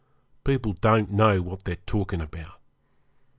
People don't know what they are talking about.